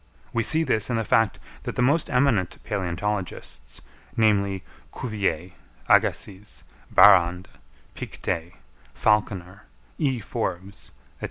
We see this in the fact that the most eminent palæontologists, namely, Cuvier, Agassiz, Barrande, Pictet, Falconer, E. Forbes, &c.